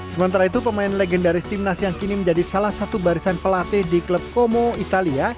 sementara itu pemain legendaris timnas yang kini menjadi salah satu barisan pelatih di klub como italia